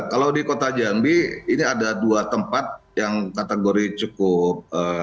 kalau di kota jambi ini ada dua tempat yang kategori cukup